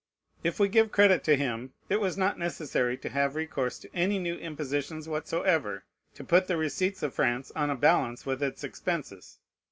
If we give credit to him, it was not necessary to have recourse to any new impositions whatsoever, to put the receipts of France on a balance with its expenses.